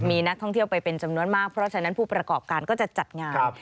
มีนักท่องเที่ยวไปเป็นจำนวนมากเพราะฉะนั้นผู้ประกอบการก็จะจัดงาน